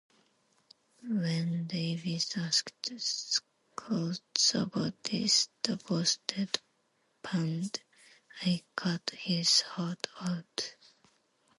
When Davis asked Schultz about this, the boss dead-panned, I cut his heart out.